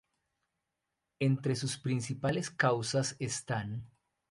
Entre sus principales causas están